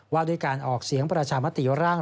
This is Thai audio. ว่าด้วยการออกเสียงประชามติร่าง